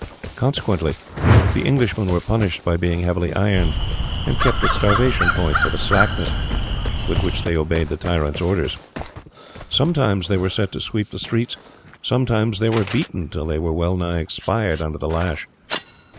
Consequently, the Englishmen were punished by being heavily ironed, and kept at starvation point for the slackness with which they obeyed the tyrant's orders. Sometimes they were set to sweep the streets, sometimes they were beaten till they well nigh expired under the lash.